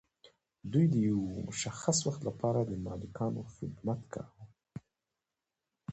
دوی د یو مشخص وخت لپاره د مالکانو خدمت کاوه.